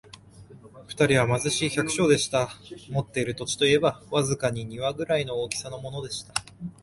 二人は貧しい百姓でした。持っている土地といえば、わずかに庭ぐらいの大きさのものでした。